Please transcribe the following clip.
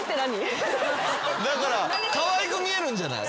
かわいく見えるんじゃない？